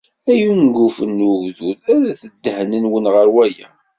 Ay ungufen n ugdud, rret ddehn-nwen ɣer waya.